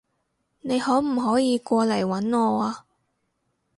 你可唔可以過嚟搵我啊？